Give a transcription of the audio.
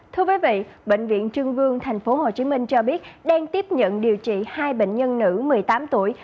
thưa quý vị bệnh viện trưng vương tp hcm cho biết đang tiếp nhận điều trị hai bệnh nhân nữ một mươi tám tuổi